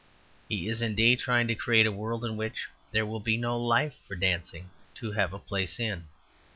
He is, indeed, trying to create a world in which there will be no life for dancing to have a place in.